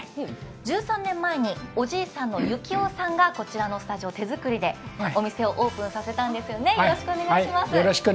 １３年前におじいさんの幸男さんがこちらのスタジオを手作りでお店をオープンさせたんですよね。